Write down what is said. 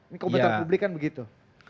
ini komentar publik kan begitu